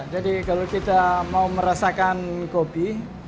jadi kalau kita mau merasakan kopi